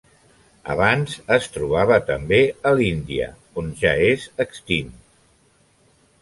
Abans es trobava també a l'Índia on ja és extint.